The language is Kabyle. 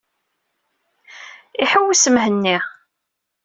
Iḥewwes Mhenni.